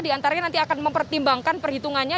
di antaranya nanti akan mempertimbangkan perhitungannya